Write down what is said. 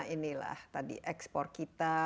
inilah tadi ekspor kita